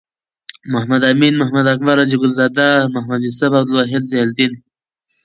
محمد امین.محمد اکبر.حاجی ګل زاده. محمد یوسف.عبدالواحد.ضیاالدین